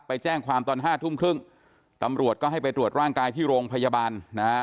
ไปแจ้งความตอนห้าทุ่มครึ่งตำรวจก็ให้ไปตรวจร่างกายที่โรงพยาบาลนะฮะ